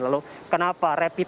lalu kenapa repit